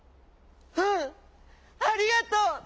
「うん。ありがとう！」。